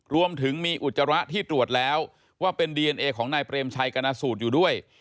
รวมถึงมีอุจจาระที่ตรวจแล้วว่าเป็นดีเอนเอของนายเปรมชัยกรณสูตรอยู่ด้วย